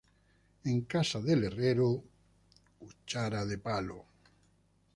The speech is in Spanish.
En casa del herrero, cuchillo de palo